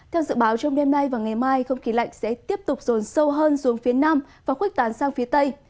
theo dự báo trong đêm nay và ngày mai không khí lạnh sẽ tiếp tục rồn sâu hơn xuống phía nam và khuếch tán sang phía tây